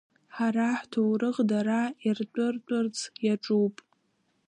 Ҳара ҳҭоурых дара иртәыртәырц иаҿуп.